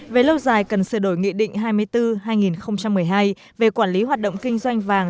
về lâu dài cần sửa đổi nghị định hai mươi bốn hai nghìn một mươi hai về quản lý hoạt động kinh doanh vàng